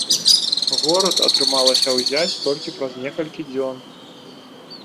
Горад атрымалася ўзяць толькі праз некалькі дзён.